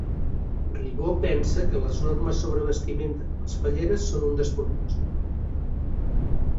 Ribó pensa que les normes sobre vestimenta de les falleres són un despropòsit